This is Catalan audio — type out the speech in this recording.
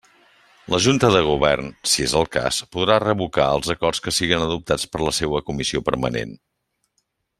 La junta de govern, si és el cas, podrà revocar els acords que siguen adoptats per la seua comissió permanent.